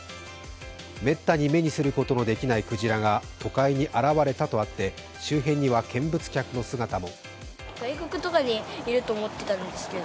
めったに目にすることのできないクジラが都会に現れたとあって周辺には見物客の姿も。